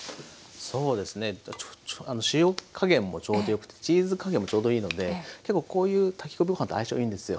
そうですね塩加減もちょうどよくてチーズ加減もちょうどいいので結構こういう炊き込みご飯と相性いいんですよ。